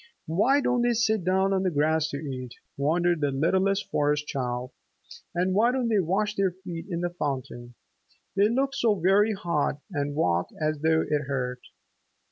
"Why don't they sit down on the grass to eat?" wondered the littlest Forest Child. "And why don't they wash their feet in the fountain? They look so very hot and walk as though it hurt!"